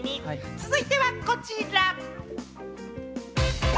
続いてはこちら！